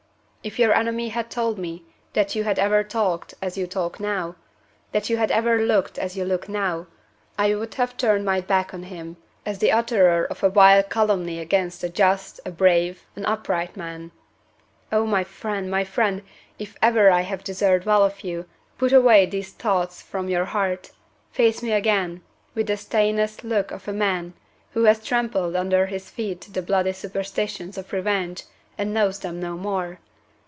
If your enemy had told me that you had ever talked as you talk now, that you had ever looked as you look now, I would have turned my back on him as the utterer of a vile calumny against a just, a brave, an upright man. Oh! my friend, my friend, if ever I have deserved well of you, put away these thoughts from your heart! Face me again, with the stainless look of a man who has trampled under his feet the bloody superstitions of revenge, and knows them no more!